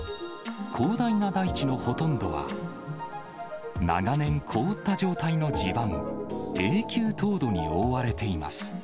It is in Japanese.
広大な大地のほとんどは、長年、凍った状態の地盤、永久凍土に覆われています。